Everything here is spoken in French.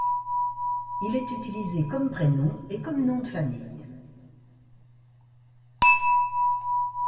Il est utilisé comme prénom et comme nom de famille.